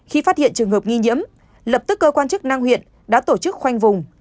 khi phát hiện trường hợp nghi nhiễm lập tức cơ quan chức năng huyện đã tổ chức khoanh vùng